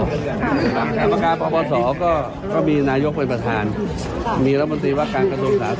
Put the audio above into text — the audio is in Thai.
อยู่ที่กรรมการปปศกรรมการปปศก็มีนายกเป็นประธานมีรับมนตรีว่าการกระทรวงศาสตร์